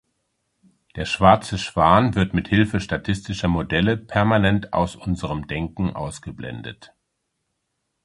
Der „schwarze Schwan“ wird mit Hilfe statistischer Modelle permanent aus unserem Denken ausgeblendet.